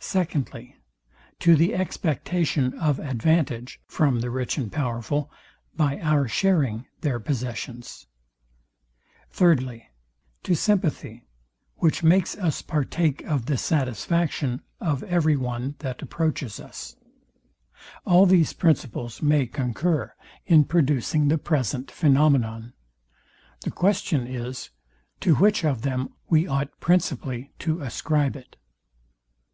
SECONDLY, To the expectation of advantage from the rich and powerful by our sharing their possessions. THIRDLY, To sympathy, which makes us partake of the satisfaction of every one, that approaches us. All these principles may concur in producing the present phænomenon. The question is, to which of them we ought principally to ascribe it.